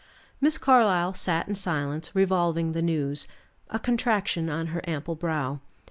Miss Carlyle sat in silence revolving the news, a contraction on her ample brow.